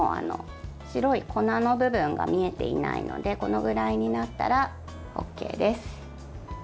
白い粉の部分が見えていないのでこのぐらいになったらＯＫです。